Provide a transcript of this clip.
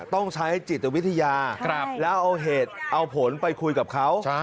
ต้องใช้จิตวิทยาแล้วเอาเหตุเอาผลไปคุยกับเขา